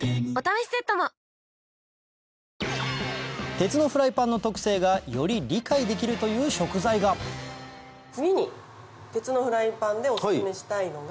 」鉄のフライパンの特性がより理解できるという食材が次に鉄のフライパンでオススメしたいのが。